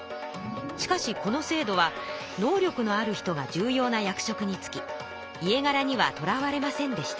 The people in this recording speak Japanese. しかしこの制度は能力のある人が重要な役職につき家柄にはとらわれませんでした。